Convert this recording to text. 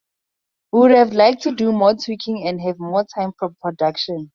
We would have liked to do more tweaking, and have more time for production.